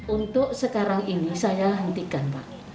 untuk sekarang ini saya hentikan pak